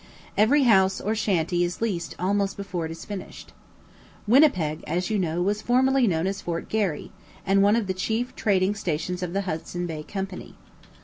Every house or shanty is leased almost before it is finished. Winnipeg, as you know, was formerly known as Fort Garry, and one of the chief trading stations of the Hudson Bay Company.